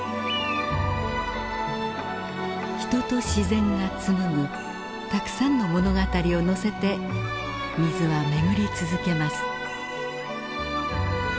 人と自然が紡ぐたくさんの物語をのせて水は巡り続けます。